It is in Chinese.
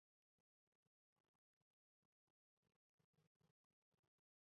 找份安稳的工作讨生活